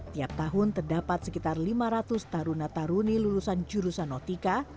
tiap tahun terdapat sekitar lima ratus taruna taruni lulusan jurusan otika